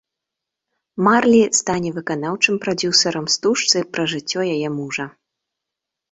Марлі стане выканаўчым прадзюсарам стужцы пра жыццё яе мужа.